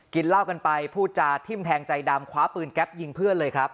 เหล้ากันไปพูดจาทิ้มแทงใจดำคว้าปืนแก๊ปยิงเพื่อนเลยครับ